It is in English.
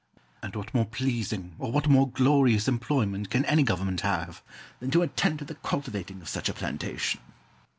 And what more pleasing, or what more glorious employment can any government have, than to attend to the cultivating of such a plantation?